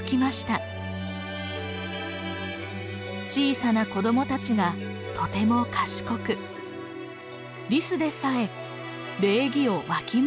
小さな子どもたちがとても賢くリスでさえ礼儀をわきまえているのです。